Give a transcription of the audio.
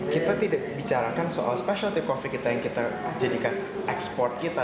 kita tidak bicarakan soal specialtive coffee kita yang kita jadikan ekspor kita